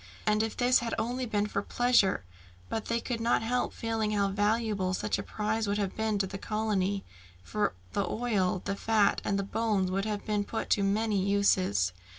And if this had only been for pleasure! But they could not help feeling how valuable such a prize would have been to the colony, for the oil, the fat, and the bones would have been put to many uses.